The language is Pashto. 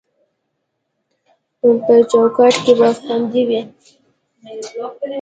په چوکاټ کې به خوندي وي